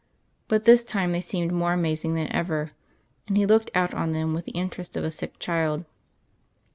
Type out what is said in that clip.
But this time they seemed more amazing than ever, and he looked out on them with the interest of a sick child.